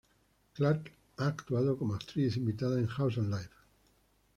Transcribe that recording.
Clarke ha actuado como actriz invitada en "House and Life".